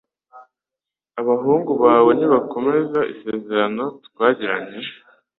Abahungu bawe nibakomeza isezerano twagiranye